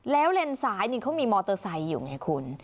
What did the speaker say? แล้วเลนซ้ายนี่เขามีมอเตอร์ไซค์อยู่ไงคุณ